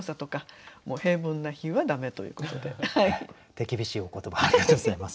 手厳しいお言葉ありがとうございます。